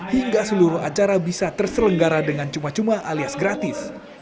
hingga seluruh acara bisa terselenggara dengan cuma cuma alias gratis